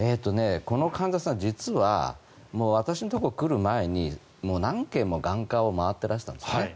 この患者さん実は私のところに来る前にもう何軒も眼科を回っていらしたんですね。